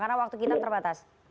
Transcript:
karena waktu kita terbatas